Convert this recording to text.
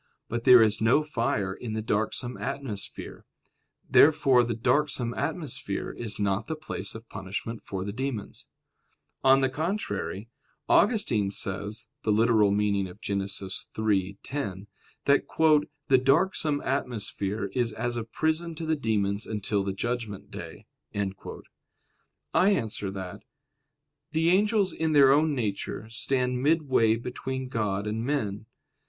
But there is no fire in the darksome atmosphere. Therefore the darksome atmosphere is not the place of punishment for the demons. On the contrary, Augustine says (Gen. ad lit. iii, 10), that "the darksome atmosphere is as a prison to the demons until the judgment day." I answer that, The angels in their own nature stand midway between God and men.